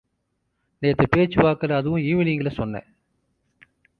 நேத்து பேச்சுவாக்குல, அதுவும் ஈவினிங்ல சொன்னேன்.